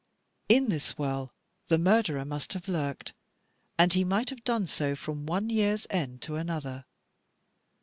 In this well the murderer must have lurked; and he might have done so from one year's end to another.